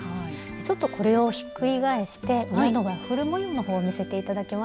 ちょっとこれをひっくり返して上のワッフル模様の方を見せて頂けますか？